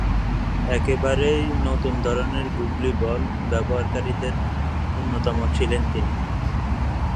একেবারেই নতুন ধরনের গুগলি বল ব্যবহারকারীদের অন্যতম ছিলেন তিনি।